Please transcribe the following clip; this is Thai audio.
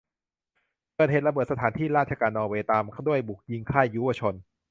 เกิดเหตุระเบิดสถานที่ราชการนอร์เวย์ ตามด้วยบุกยิงค่ายยุวชน